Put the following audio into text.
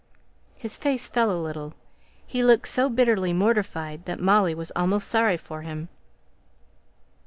His face fell a little. He looked so bitterly mortified, that Molly was almost sorry for him.